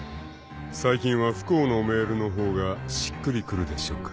［最近は不幸のメールの方がしっくりくるでしょうか］